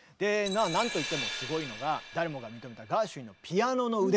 なんといってもすごいのが誰もが認めたガーシュウィンのピアノの腕ですよ。